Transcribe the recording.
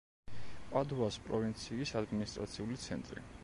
პადუას პროვინციის ადმინისტრაციული ცენტრი.